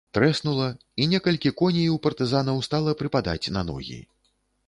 Трэснула, і некалькі коней у партызанаў стала прыпадаць на ногі.